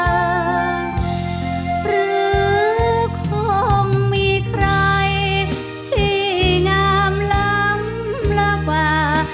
หรือคงมีใครที่งามล้ำลึกกว่า